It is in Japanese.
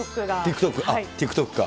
ＴｉｋＴｏｋが。